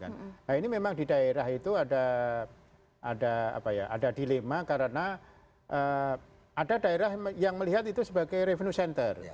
nah ini memang di daerah itu ada dilema karena ada daerah yang melihat itu sebagai revenue center